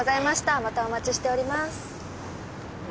またお待ちしております。